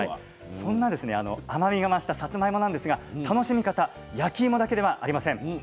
そんな甘みが増したさつまいもなんですが楽しみ方焼きいもだけではありません。